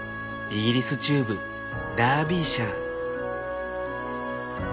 イギリス中部ダービーシャー。